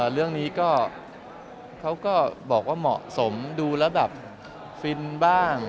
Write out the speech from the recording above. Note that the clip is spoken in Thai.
เรื่องนี้ก็เขาก็บอกว่าเหมาะสมดูแล้วแบบฟินบ้าง